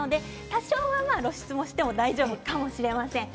多少は露出しても大丈夫かもしれません。